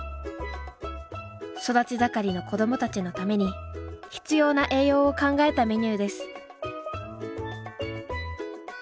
育ち盛りの子どもたちのために必要な栄養を考えたメニューです。